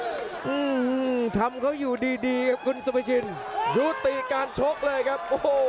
อืมทำเขาอยู่ดีดีครับคุณสุภาชินยุติการชกเลยครับโอ้โห